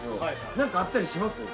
何かあったりします？